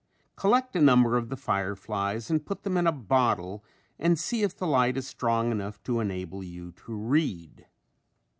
Collect a number of the fireflies and put them in a bottle and see if the light is strong enough to enable you to read.